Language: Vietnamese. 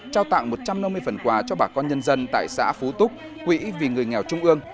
trao tặng một trăm năm mươi phần quà cho bà con nhân dân tại xã phú túc quỹ vì người nghèo trung ương